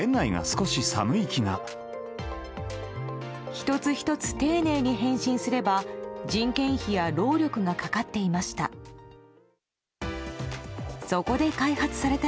１つ１つ、丁寧に返信すれば人件費や労力がかかっていました。